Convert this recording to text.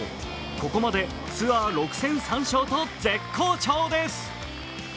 ここまでツアー６戦３勝と絶好調です。